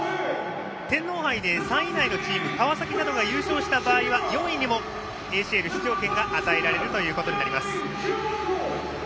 天皇杯で３位以内のチーム川崎などが優勝した場合は、４位にもＡＣＬ出場権が与えられます。